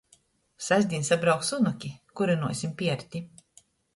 Sastdiņ sabrauks unuki, kurynuosim pierti.